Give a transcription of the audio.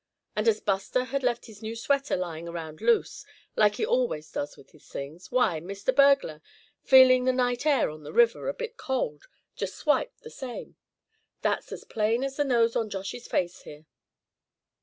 And as Buster had left his new sweater lying around loose, like he always does with his things, why, Mr. Burglar, feeling the night air on the river a bit cold, just swiped the same. That's as plain as the nose on Josh's face here."